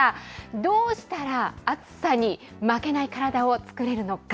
どうしたら暑さに負けない体を作れるのか。